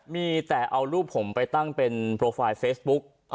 มีแต่เอารูปผมไปตั้งเป็นโปรไฟล์เฟซบุ๊ก